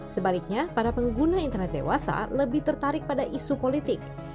sebaliknya para pengguna internet dewasa lebih tertarik pada isu politik